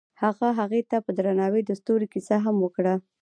هغه هغې ته په درناوي د ستوري کیسه هم وکړه.